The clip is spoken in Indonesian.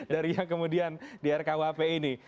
dari yang kemudian di rkuhp ini